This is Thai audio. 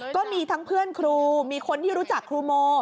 ก็มีทั้งเพื่อนครูมีคนที่รู้จักครูโม